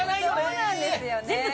そうなんですよね。